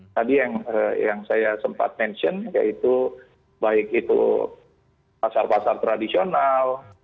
tadi yang saya sempat mention yaitu baik itu pasar pasar tradisional